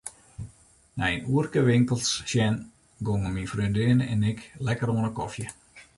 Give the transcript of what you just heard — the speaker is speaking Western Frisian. Nei in oerke winkels sjen gongen myn freondinne en ik lekker oan 'e kofje.